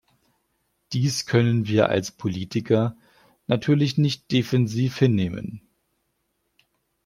Dies können wir als Politiker natürlich nicht defensiv hinnehmen.